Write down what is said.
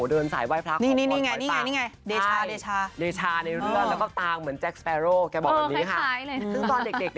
เดินสายไว้พระของคนไทยต่างใช่แล้วก็ตางเหมือนแจ็คสเปรอร์โหลแกบอกแบบนี้ค่ะซึ่งตอนเด็ก